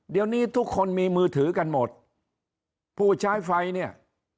เดี๋ยวนี้ทุกคนมีมือถือกันหมดผู้ใช้ไฟเนี่ย